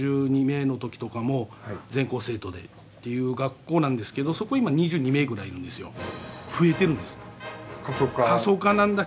１２名のときとかも全校生徒でっていう学校なんですけどそこ今２２名ぐらいいるんですよ。